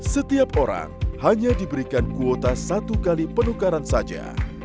setiap orang hanya diberikan kuota satu kali penukaran saja